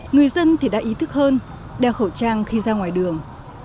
người dân thì đã ý thức hơn đeo khẩu trang khi ra ngoài đường